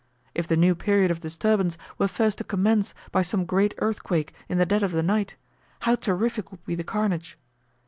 If the new period of disturbance were first to commence by some great earthquake in the dead of the night, how terrific would be the carnage!